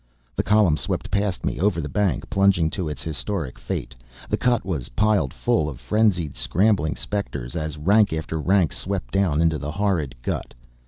The column swept past me, over the bank, plunging to its historic fate. The cut was piled full of frenzied, scrambling specters, as rank after rank swept down into the horrid gut.